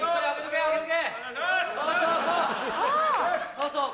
そうそう。